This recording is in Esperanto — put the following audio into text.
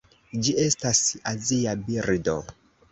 Ĝi estas azia birdo.